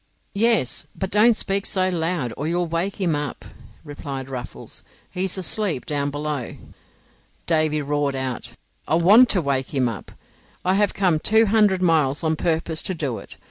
"Yes, but don't speak so loud, or you'll wake him up," replied Ruffles. "He is asleep down below." Davy roared out, "I want to wake him up. I have come two hundred miles on purpose to do it.